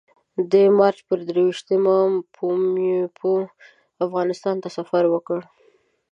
د مارچ پر درویشتمه پومپیو افغانستان ته سفر وکړ.